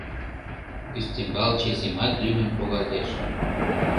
Ӱстембал чесемат лӱмын погалтеш.